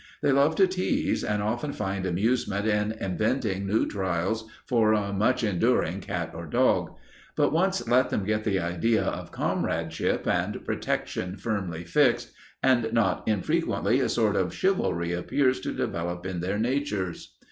They love to tease and often find amusement in inventing new trials for a much enduring cat or dog. But once let them get the idea of comradeship and protection firmly fixed, and not infrequently a sort of chivalry appears to develop in their natures.